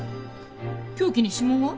凶器に指紋は？